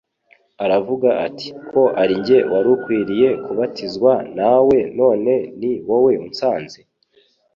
aravuga ati, '' Ko ari jye wari ukwiriye kubatizwa nawe, none ni wowe unsanze